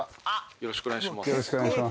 よろしくお願いします